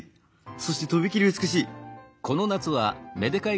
そしてとびきり美しい」。